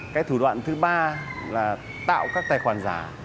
cái thủ đoạn thứ ba là tạo các tài khoản giả